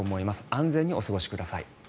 安全にお過ごしください。